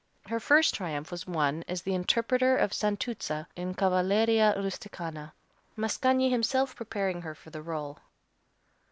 Her first triumph was won as the interpreter of Santuzza, in "Cavalleria Rusticana," Mascagni himself preparing her for the rôle.